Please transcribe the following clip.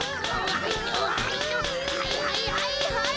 はいはいはいはい！